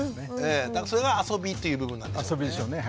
それが遊びという部分なんでしょうね。